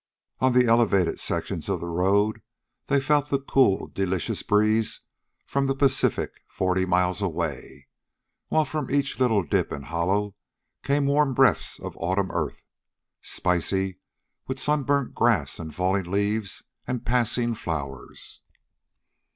On the elevated sections of the road they felt the cool, delicious breeze from the Pacific forty miles away; while from each little dip and hollow came warm breaths of autumn earth, spicy with sunburnt grass and fallen leaves and passing flowers.